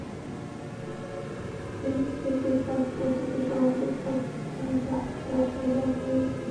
দিন ঠিকই থাকছে, শুধু সময় পরিবর্তন করে নির্ধারণ করা হয়েছে বেলা দুইটায়।